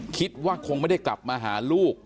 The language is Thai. คิดว่าคงไม่ได้กลับมาหาลูก